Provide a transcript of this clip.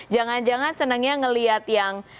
jangan jangan senangnya ngelihat yang